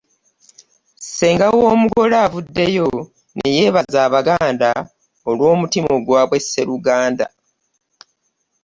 Ssenga w'omugole avuddeyo ne yeebaza abaganda olw'omutima ogw'obwasseruganda.